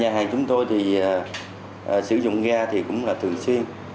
nhà hàng chúng tôi thì sử dụng ga thì cũng là thường xuyên